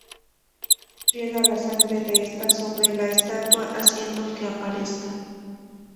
Riega la sangre de esta sobre la Estatua haciendo que aparezca.